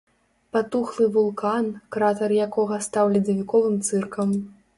Патухлы вулкан, кратар якога стаў ледавіковым цыркам.